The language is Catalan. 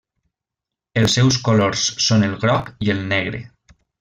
Els seus colors són el groc i el negre.